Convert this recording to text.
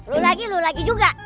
lu lagi lo lagi juga